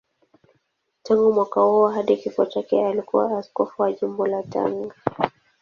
Tangu mwaka huo hadi kifo chake alikuwa askofu wa Jimbo la Tanga.